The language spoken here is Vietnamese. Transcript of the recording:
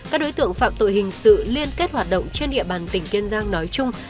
các đối tượng phạm tội hình sự liên kết hoạt động trên địa bàn tỉnh kiên giang nói chung